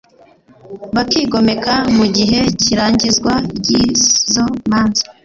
bakigomeka mu gihe cy irangizwa ry izo manza